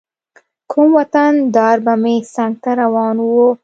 کوم وطن دار به مې څنګ ته روان و.